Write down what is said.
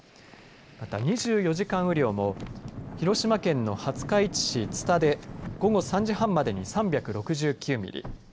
また、２４時間雨量も広島県の廿日市市津田で午後３時半までに３６９ミリ。